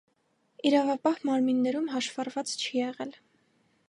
Իրավապահ մարմիններում հաշվառված չի եղել։